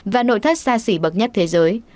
và nội thất xa xỉ bậc nhất thế giới